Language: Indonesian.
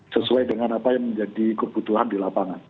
sesuai dengan apa yang menjadi kebutuhan di lapangan